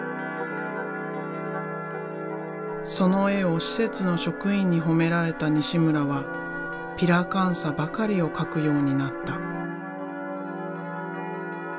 その絵を施設の職員に褒められた西村はピラカンサばかりを描くようになった。